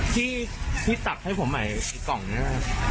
ที่ตัดให้ผมไหมกล่องนี้